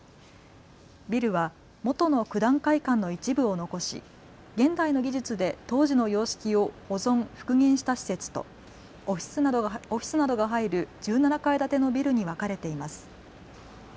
ビルは元の九段会館の一部を残し現代の技術で当時の様式を保存・復元した施設とオフィスなどが入る１７階建てのビルに分かれています。